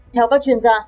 theo các chuyên gia